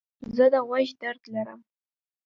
زه د غوږ درد لرم.